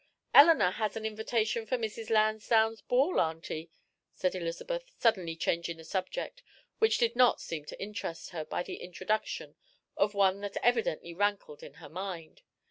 "Eleanor has an invitation for Mrs. Lansdowne's ball, auntie," said Elizabeth, suddenly changing the subject, which did not seem to interest her, by the introduction of one that evidently rankled in her mind.